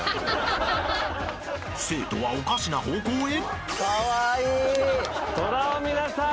生徒はおかしな方向へ。